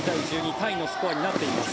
タイのスコアになっています。